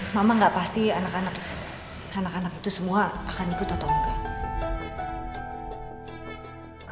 mama nggak pasti anak anak itu semua akan ikut atau enggak